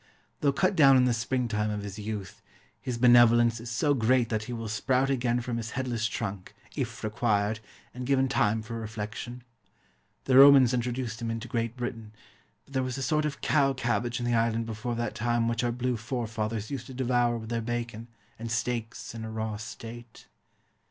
Though cut down in the springtime of his youth, his benevolence is so great that he will sprout again from his headless trunk, if required, and given time for reflection. The Romans introduced him into Great Britain, but there was a sort of cow cabbage in the island before that time which our blue forefathers used to devour with their bacon, and steaks, in a raw state.